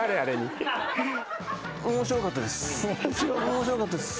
面白かったです。